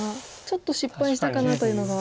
ちょっと失敗したかなというのが。